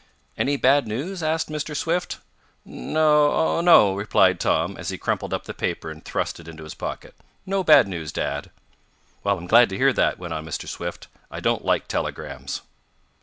"Any bad news?" asked Mr. Swift. "No oh, no," replied Tom, as he crumpled up the paper and thrust it into his pocket. "No bad news, Dad." "Well, I'm glad to hear that," went on Mr. Swift. "I don't like telegrams."